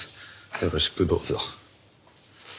よろしくどうぞ。